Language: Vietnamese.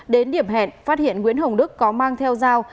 đến điểm hẹn phát hiện nguyễn hồng đức có mang theo dao